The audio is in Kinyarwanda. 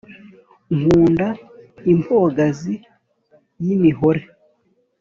Nkunda impogazi y'imihore,